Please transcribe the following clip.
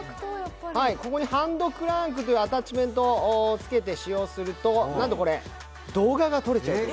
ここにハンドクランク、アタッチメントをつけて使用すると、動画もとれちゃうんです。